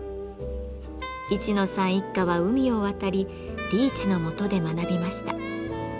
市野さん一家は海を渡りリーチのもとで学びました。